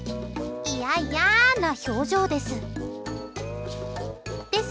いやいやな表情です。